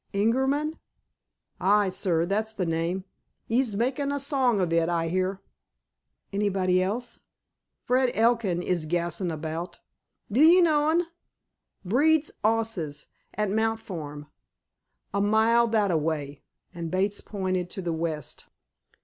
"Ingerman?" "Ay, sir, that's the name. 'E's makin' a song of it, I hear." "Anybody else?" "Fred Elkin is gassin' about. Do 'ee know un? Breeds 'osses at Mount Farm, a mile that a way," and Bates pointed to the west.